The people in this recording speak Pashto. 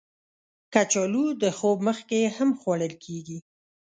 کچالو د خوب مخکې هم خوړل کېږي